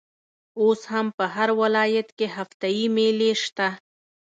اوس هم په هر ولايت کښي هفته يي مېلې سته.